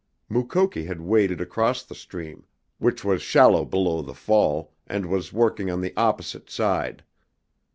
Mukoki had waded across the stream, which was shallow below the fall, and was working on the opposite side.